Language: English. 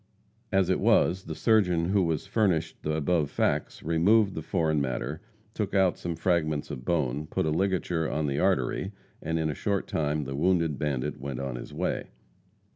As it was, the surgeon, who has furnished the above facts, removed the foreign matter, took out some fragments of bone, put a ligature on the artery, and in a short time the wounded bandit went on his way.